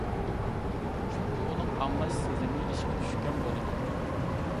چۈنكى ئۇنىڭ ئاڭلاش سېزىمى ئىشقا چۈشكەن بولىدۇ.